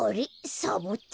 サボテン？